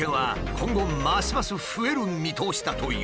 今後ますます増える見通しだという。